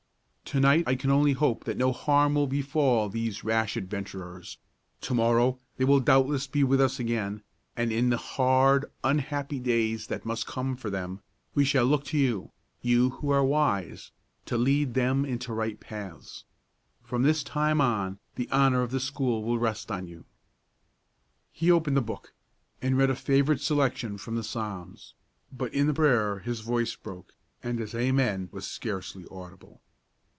"To night I can only hope that no harm will befall these rash adventurers; to morrow they will doubtless be with us again, and in the hard, unhappy days that must come for them, we shall look to you, you who are wise, to lead them into right paths. From this time on, the honor of the school will rest on you." He opened the book, and read a favorite selection from the Psalms; but in the prayer his voice broke, and his "Amen" was scarcely audible.